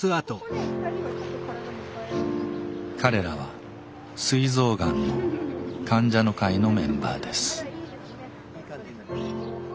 彼らはすい臓がんの患者の会のメンバーです。